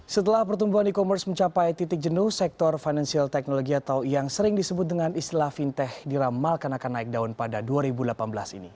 setelah pertumbuhan e commerce mencapai titik jenuh sektor financial technology atau yang sering disebut dengan istilah fintech diramalkan akan naik daun pada dua ribu delapan belas ini